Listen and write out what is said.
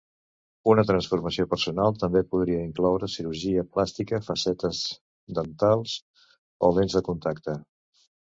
Una transformació personal també podria incloure cirurgia plàstica, facetes dentals o lents de contacte.